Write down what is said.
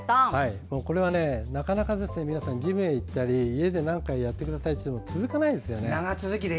これはなかなか皆さんジムへ行ったり家で何かをやってくださいと言っても続かないんですよね。